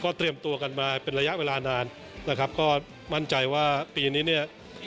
ก็เตรียมตัวกันมาเป็นระยะเวลานานก็มั่นใจว่าปีนี้